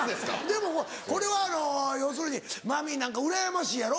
でもこれは要するにマミィなんかうらやましいやろ？